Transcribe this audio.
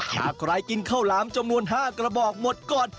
หากใครกินข้าวหลามจำนวน๕กระบอกหมดก่อน